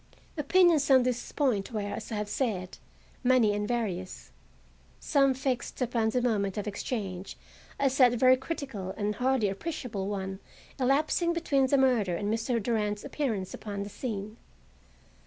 Opinions on this point were, as I have said, many and various. Some fixed upon the moment of exchange as that very critical and hardly appreciable one elapsing between the murder and Mr. Durand's appearance upon the scene.